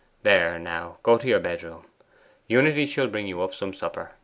There, now, go to your bedroom. Unity shall bring you up some supper.